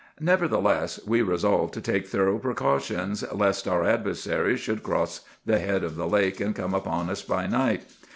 "Nevertheless, we resolved to take thorough precautions, lest our adversaries should cross the head of the lake and come upon us by night.